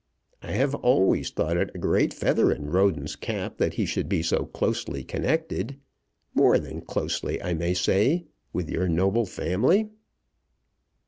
I have always thought it a great feather in Roden's cap that he should be so closely connected, more than closely, I may say, with your noble family."